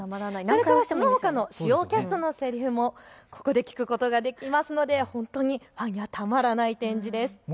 そのほかの主要キャストのせりふもここで聞くことができますのでファンにはたまらない展示です。